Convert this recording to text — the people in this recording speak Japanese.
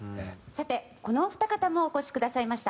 さてこのお二方もお越しくださいました。